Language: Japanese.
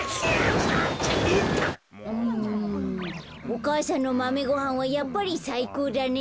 お母さんのマメごはんはやっぱりさいこうだね。